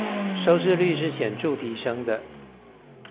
收視率是顯著提升的